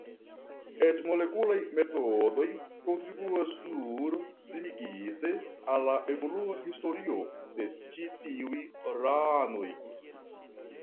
Eĉ molekulaj metodoj kontribuas nur limigite al la evolua historio de ĉi tiuj ranoj.